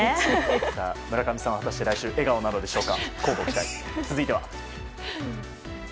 村上さんは果たして来週笑顔なんでしょうか。